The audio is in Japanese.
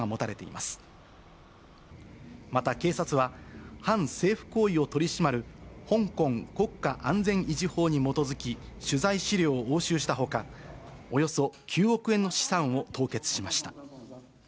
また警察は、反政府行為を取り締まる香港国家安全維持法に基づき、取材資料を押収したほか、およそ９億円の資産を凍結しました。